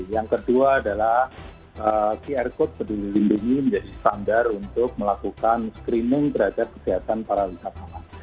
yang kedua adalah qr code berlindungi menjadi standar untuk melakukan screening beragam kegiatan para wisata